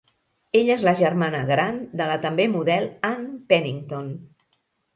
Ella és la germana gran de la també model Ann Pennington.